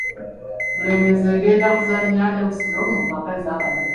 Bulemeezi egenda kuzannya ne Busiro mu mpaka ez'akamalirizo.